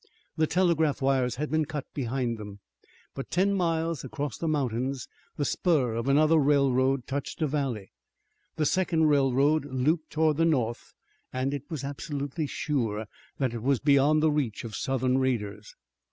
The telegraph wires had been cut behind them, but ten miles across the mountains the spur of another railroad touched a valley. The second railroad looped toward the north, and it was absolutely sure that it was beyond the reach of Southern raiders.